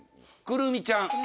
くるみちゃん。